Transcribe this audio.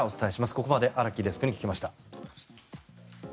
ここまで荒木デスクに聞きました。